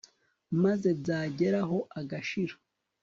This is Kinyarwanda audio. maze byageraho agashira